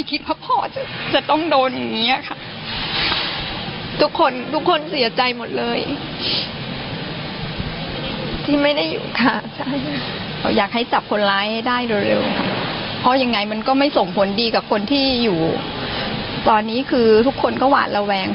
ก็คอยดีกับคนที่อยู่ตอนนี้คือทุกคนก็หวานระแวง